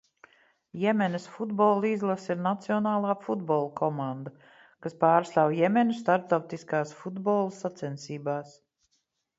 Jemenas futbola izlase ir nacionālā futbola komanda, kas pārstāv Jemenu starptautiskās futbola sacensībās.